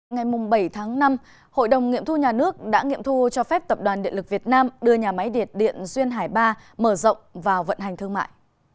ngày bảy tháng năm hội đồng nghiệm thu nhà nước đã nghiệm thu cho phép tập đoàn điện lực việt nam đưa nhà máy nhiệt điện duyên hải ba mở rộng vào vận hành thương mại